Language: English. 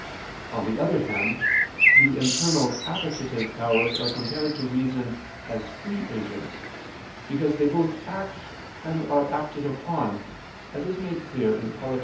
On the other hand, the internal appetitive powers are compared to reason as free agents, because they both act and are acted upon, as is made clear in _Polit.